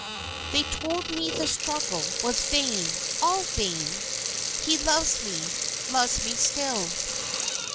They told me the struggle was vain all vain! He loves me loves me still.